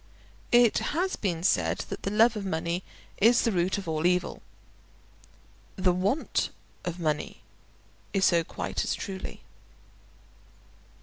It has been said that the love of money is the root of all evil. The want of money is so quite as truly.